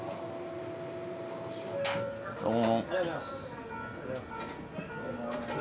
どうも。